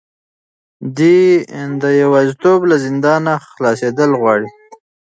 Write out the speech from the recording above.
دی د یوازیتوب له زندانه خلاصېدل غواړي.